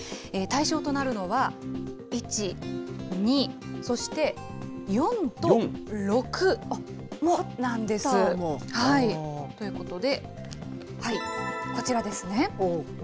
対象となるのは、１、２、そしてカッターも。ということで、こちらですね。